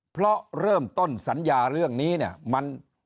เพราะเริ่มต้นสัญญาเรื่องนี้เนี่ยมัน